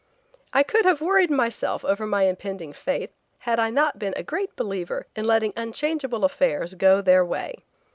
I could have worried myself over my impending fate had I not been a great believer in letting unchangeable affairs go their way.